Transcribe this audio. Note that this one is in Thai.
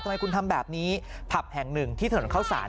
ทำไมคุณทำแบบนี้ผับแห่งหนึ่งที่ถนนเข้าสาร